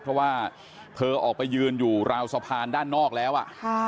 เพราะว่าเธอออกไปยืนอยู่ราวสะพานด้านนอกแล้ว